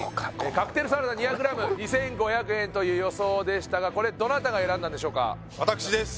カクテルサラダ２００ｇ２５００円という予想でしたがどなたが選んだんでしょうか？